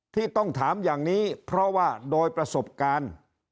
ที่ต้องถามอย่างนี้เพราะว่าโดยประสบการณ์